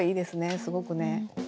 すごくね。